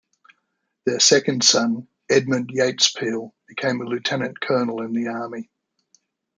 Their second son, Edmund Yates Peel, became a Lieutenant-Colonel in the Army.